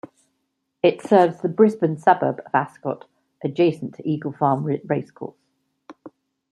It serves the Brisbane suburb of Ascot adjacent to Eagle Farm Racecourse.